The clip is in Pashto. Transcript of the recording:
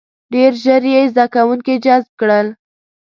• ډېر ژر یې زده کوونکي جذب کړل.